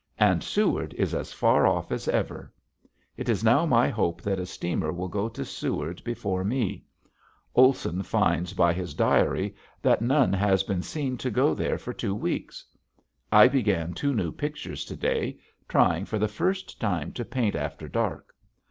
And Seward is as far off as ever! It is now my hope that a steamer will go to Seward before me. Olson finds by his diary that none has been seen to go there for two weeks. I began two new pictures to day trying for the first time to paint after dark.